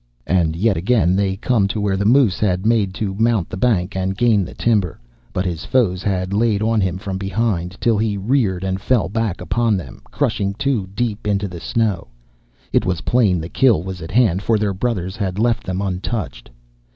And yet again, they come to where the moose had made to mount the bank and gain the timber. But his foes had laid on from behind, till he reared and fell back upon them, crushing two deep into the snow. It was plain the kill was at hand, for their brothers had left them untouched.